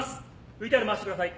ＶＴＲ回してください。